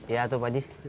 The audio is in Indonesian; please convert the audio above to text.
iya toh pak ji